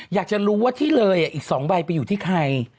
อยากจะรู้ว่าที่เลยอีก๒ใบไปอยู่ที่ใคร